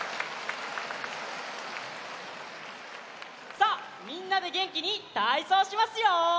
さあみんなでげんきにたいそうしますよ！